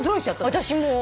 私も。